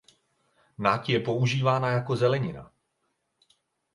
Nať je používána jako zelenina.